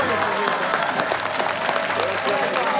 よろしくお願いします。